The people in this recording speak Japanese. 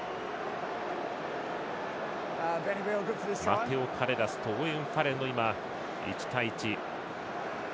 マテオ・カレラスとオーウェン・ファレルの１対１。